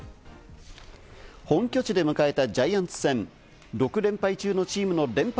本拠地で迎えたジャイアンツ戦。６連敗中のチームの連敗